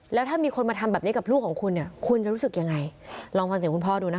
แล้วถ้ามีคนมาทำแบบนี้กับลูกของคุณเนี่ยคุณจะรู้สึกยังไงลองฟังเสียงคุณพ่อดูนะคะ